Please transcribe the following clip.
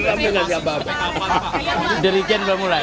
nanti masih ababanya dari kian belum mulai